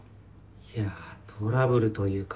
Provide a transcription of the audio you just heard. いやトラブルというか。